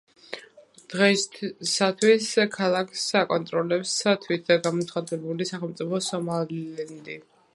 დღეისათვის ქალაქს აკონტროლებს თვითგამოცხადებული სახელმწიფო სომალილენდი.